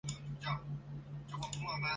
按照玻利维亚宪法基罗加不能再次连任。